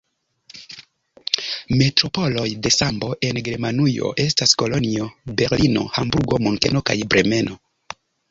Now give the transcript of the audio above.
Metropoloj de sambo en Germanujo estas Kolonjo, Berlino, Hamburgo, Munkeno kaj Bremeno.